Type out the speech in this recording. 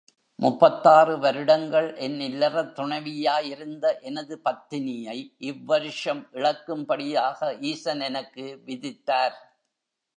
முப்பத்தாறு வருடங்கள் என் இல்லறத் துணைவியாயிருந்த எனது பத்தினியை இவ்வருஷம் இழக்கும்படியாக ஈசன் எனக்கு விதித்தார்.